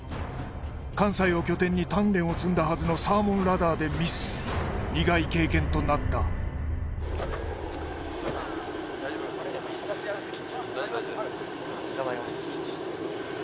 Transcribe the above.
関西を拠点に鍛錬を積んだはずのサーモンラダーでミス苦い経験となった頑張ります